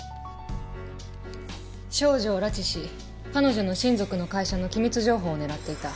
少女を拉致し彼女の親族の会社の機密情報を狙っていた。